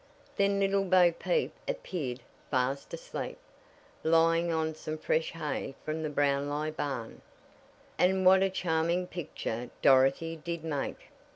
Then Little Bo Peep appeared fast asleep, lying on some fresh hay from the Brownlie barn. And what a charming picture Dorothy did make!